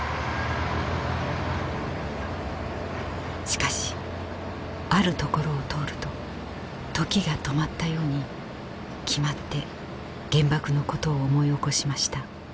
しかしある所を通ると時が止まったように決まって原爆のことを思い起こしました。